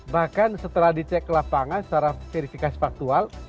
bahkan setelah dicek lapangan secara verifikasi faktual